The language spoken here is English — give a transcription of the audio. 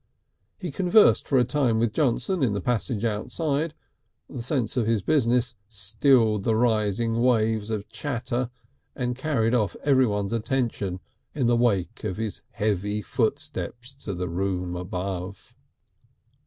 He conversed for a time with Johnson in the passage outside; the sense of his business stilled the rising waves of chatter and carried off everyone's attention in the wake of his heavy footsteps to the room above.